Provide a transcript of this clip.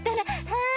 はい。